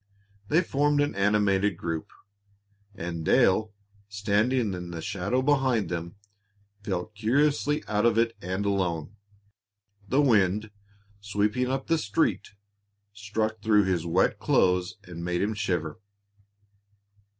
They formed an animated group, and Dale, standing in the shadow behind them, felt curiously out of it and alone. The wind, sweeping up the street, struck through his wet clothes and made him shiver.